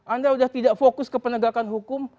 anda sudah tidak fokus ke penegakan hukum